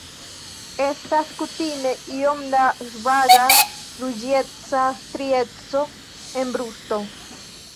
Estas kutime iom da svaga ruĝeca strieco en brusto.